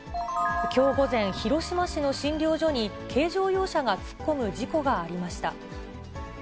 きょう午前、広島市の診療所に軽乗用車が突っ込む事故がありました。